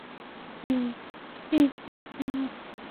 有弟子孙望。